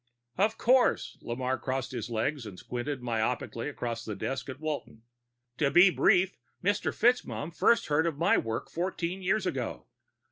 "Of course." Lamarre crossed his legs and squinted myopically across the desk at Walton. "To be brief, Mr. FitzMaugham first heard of my work fourteen years ago.